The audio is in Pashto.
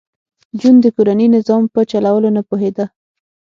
جون د کورني نظام په چلولو نه پوهېده